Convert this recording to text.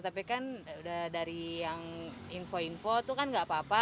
tapi kan udah dari yang info info itu kan gak apa apa